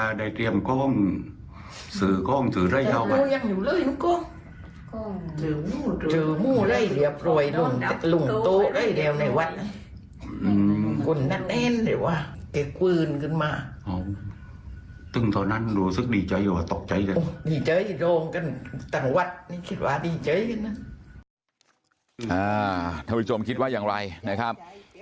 ท่านผู้ชมคิดว่าอย่างไรนะครับ